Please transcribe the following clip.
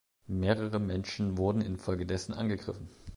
Mehrere Menschen wurden infolgedessen angegriffen.